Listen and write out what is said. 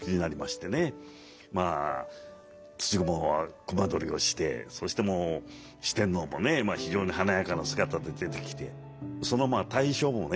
まあ土蜘隈取りをしてそして四天王もね非常に華やかな姿で出てきてその対照もね